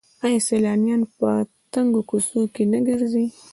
آیا سیلانیان په تنګو کوڅو کې نه ګرځي؟